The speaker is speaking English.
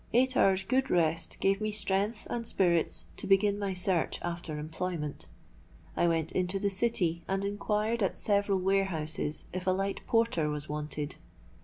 Eight hours' good rest gave me strength and spirits to begin my search after employment. I went into the City and inquired at several warehouses if a light porter was wanted.